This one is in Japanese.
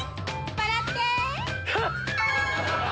笑って！